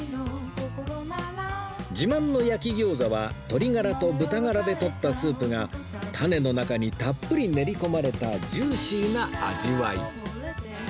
自慢の焼き餃子は鶏ガラと豚ガラでとったスープがタネの中にたっぷり練り込まれたジューシーな味わい